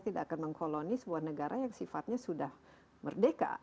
tidak akan mengkoloni sebuah negara yang sifatnya sudah merdeka